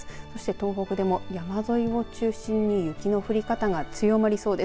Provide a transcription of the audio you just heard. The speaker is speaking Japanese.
東北でも山沿いを中心に雪の降り方が強まりそうです。